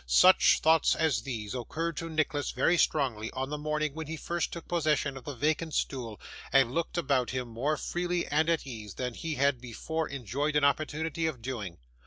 Such thoughts as these occurred to Nicholas very strongly, on the morning when he first took possession of the vacant stool, and looked about him, more freely and at ease, than he had before enjoyed an opportunity of doing.